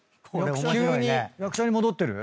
急に役者に戻ってる？